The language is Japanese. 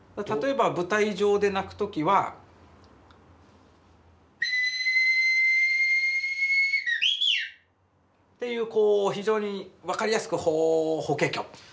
例えば舞台上で鳴く時は。というこう非常に分かりやすくホーホケキョ。